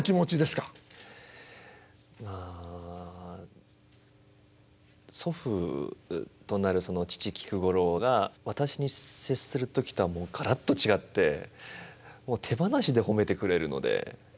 まあ祖父となる父菊五郎が私に接する時とはもうがらっと違ってもう手放しで褒めてくれるので。